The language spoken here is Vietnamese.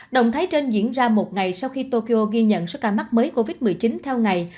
động thái trên diễn ra một ngày sau khi tokyo ghi nhận số ca mắc mới covid một mươi chín theo ngày